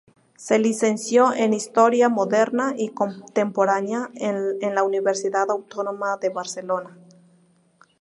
Se licenció en Historia Moderna y Contemporánea en la Universidad Autónoma de Barcelona.